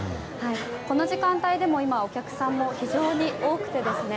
この時間帯でも今、お客さんも非常に多くてですね。